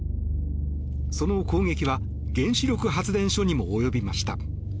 その攻撃は原子力発電所にも及びました。